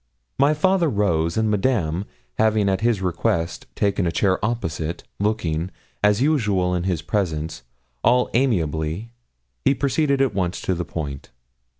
My father rose, and Madame having at his request taken a chair opposite, looking, as usual in his presence, all amiability, he proceeded at once to the point.